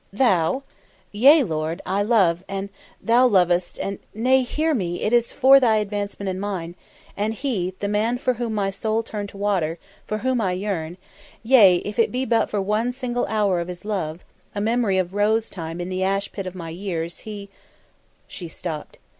"Thou!" "Yea, lord. I love and thou lovest and nay, hear me, it is for thy advancement and mine and he, the man for whom my soul has turned to water, for whom I yearn yea, if it be but for one single hour of his love a memory of rose time in the ash pit of my years he " She stopped.